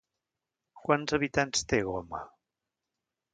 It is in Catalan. Quants habitants té Goma?